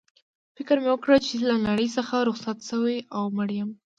فکر مې وکړ چي له نړۍ څخه رخصت شوی او مړ یم.